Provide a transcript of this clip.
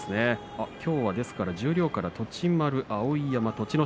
きょうは十両から栃丸碧山、栃ノ